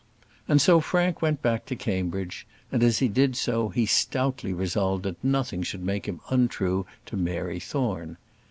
And so Frank went back to Cambridge; and, as he did so, he stoutly resolved that nothing should make him untrue to Mary Thorne.